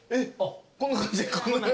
こんな感じ。